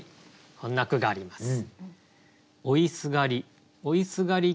こんな句があります。